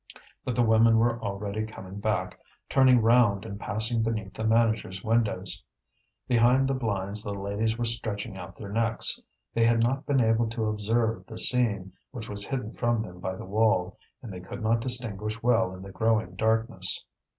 But the women were already coming back, turning round and passing beneath the manager's windows. Behind the blinds the ladies were stretching out their necks. They had not been able to observe the scene, which was hidden from them by the wall, and they could not distinguish well in the growing darkness.